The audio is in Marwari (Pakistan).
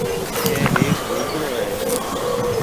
اَي هيََڪ جھونپڙو هيَ۔